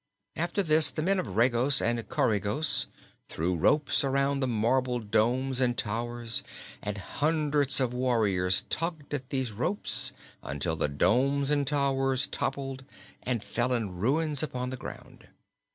After this, the men of Regos and Coregos threw ropes around the marble domes and towers and hundreds of warriors tugged at these ropes until the domes and towers toppled and fell in ruins upon the ground.